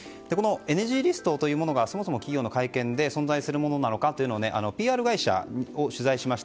ＮＧリストというものがそもそも企業の会見で存在するのかどうかＰＲ会社を取材しました。